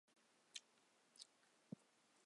夏木胜幸是一名成绩顶尖的优等高中生。